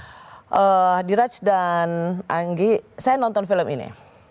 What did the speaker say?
jadi diraj dan anggi saya nonton film ini